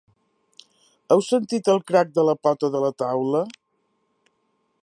Heu sentit el crac de la pota de la taula?